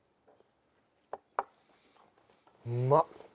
うまっ！